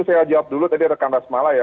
saya jawab dulu tadi rekan rasmala ya